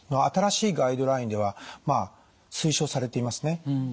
新しいガイドラインでは推奨されていますね。